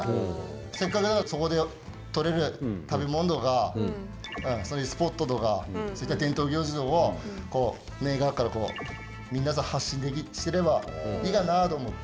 せっかくだからそこでとれる食べ物とかそういうスポットとかそういった伝統行事をネイガーからみんなさ発信すればいいがなと思って。